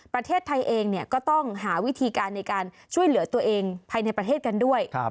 ประเทศไทยเองก็ต้องหาวิธีการในการช่วยเหลือตัวเองภายในประเทศกันด้วย